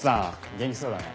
元気そうだね。